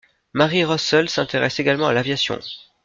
Mary Russel s'intéresse également à l'aviation.